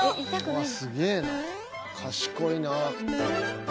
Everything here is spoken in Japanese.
「すげえな。賢いな」